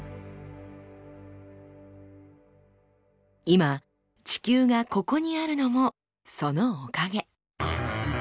今地球がここにあるのもそのおかげ。